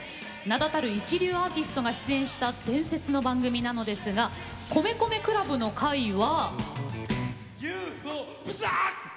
名だたる一流アーティストが出演した伝説の番組なんですが米米ＣＬＵＢの回は。